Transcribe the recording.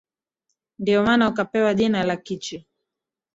ndio maana ukapewa jina la Kichi